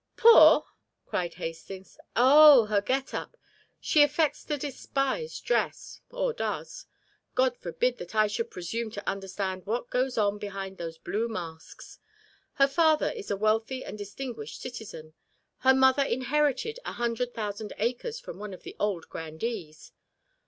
"Poor?" cried Hastings. "Oh, her get up. She affects to despise dress or does. God forbid that I should presume to understand what goes on behind those blue masks. Her father is a wealthy and distinguished citizen. Her mother inherited a hundred thousand acres from one of the old grandees.